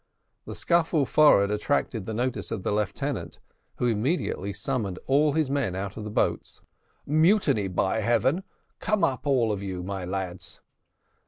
The scuffle forward attracted the notice of the lieutenant, who immediately summoned all his men out of the boats. "Mutiny, by heavens! Come up, all of you, my lads."